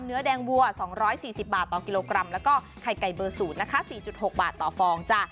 เนื้อแดงบัวสองร้อยสี่สิบบาทต่อกิโลกรัมแล้วก็ไข่ไก่เบอร์ศูนย์นะคะสี่จุดหกบาทต่อฟองจ้ะ